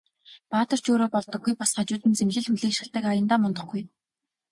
Баатар ч өөрөө болдоггүй, бас хажууд нь зэмлэл хүлээх шалтаг аяндаа мундахгүй.